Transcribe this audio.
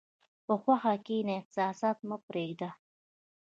په هوښ کښېنه، احساسات مه پرېږده.